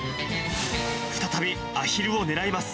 再びアヒルを狙います。